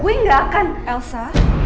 gue gak akan elsa